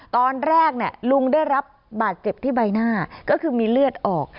ตอนแรกลุงได้รับบาดเจ็บที่ใบหน้าก็คือมีเลือดออก